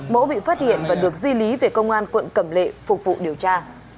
mẫu bị phát hiện và được di lý về công an quận cẩm lệ phục vụ điều tra